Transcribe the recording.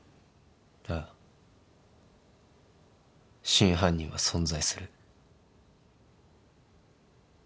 ああ真犯人は存在する。